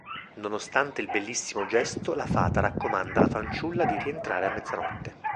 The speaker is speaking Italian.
Nonostante il bellissimo gesto, la fata raccomanda alla fanciulla di rientrare a mezzanotte.